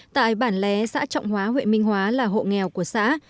tại bản lé xã trọng hóa huyện minh hóa là hộ nghèo của xã